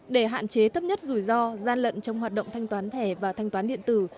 để hạn chế thấp nhất rủi ro gian lận trong hoạt động thanh toán thẻ và thanh toán điện tử